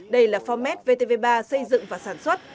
đây là format vtv ba xây dựng và sản xuất